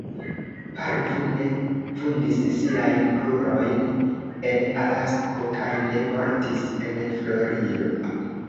Parvu ne vundis siajn krurojn en Alasko kaj ne mortis en Florido.